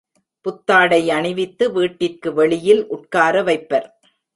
புத்தாடை அணிவித்து வீட்டிற்கு வெளியில் உட்கார வைப்பர்.